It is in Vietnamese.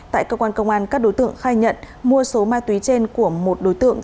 tại cơ quan công an các đối tượng khai nhận mua số ma túy trên của một đối tượng